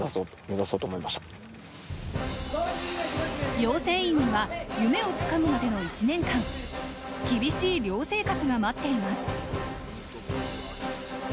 養成員には夢をつかむまでの１年間、厳しい寮生活が待っています。